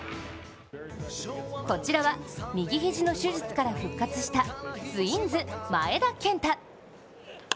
こちらは、右肘の手術から復活したツインズ・前田健太。